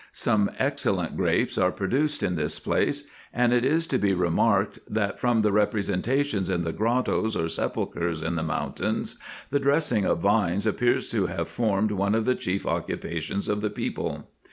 Some excellent grapes are produced in this f f 2 220 RESEARCHES AND OPERATIONS place ; and it is to be remarked, that, from the representations in the grottoes or sepulchres in the mountains, the dressing of vines appears to have formed one of the chief occupations of the people.